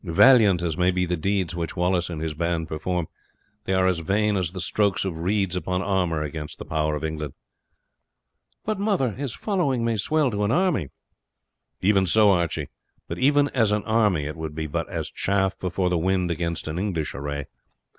Valiant as may be the deeds which Wallace and his band perform, they are as vain as the strokes of reeds upon armour against the power of England." "But, mother, his following may swell to an army." "Even so, Archie; but even as an army it would be but as chaff before the wind against an English array.